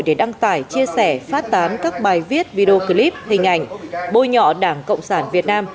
để đăng tải chia sẻ phát tán các bài viết video clip hình ảnh bôi nhọ đảng cộng sản việt nam